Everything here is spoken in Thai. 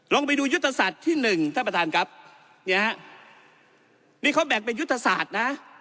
ลองไปดูยุทธศาสตร์ที่หนึ่งท่านประธานครับเนี่ยฮะนี่เขาแบ่งเป็นยุทธศาสตร์นะ